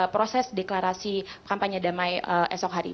proses deklarasi kampanye damai esok hari